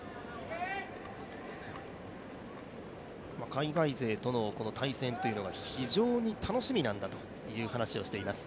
海外勢との対戦というのが非常に楽しみなんだという話をしています。